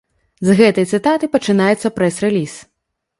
З гэтай цытаты пачынаецца прэс-рэліз.